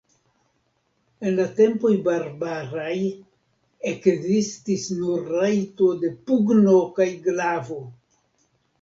En la tempoj barbaraj ekzistis nur rajto de pugno kaj glavo.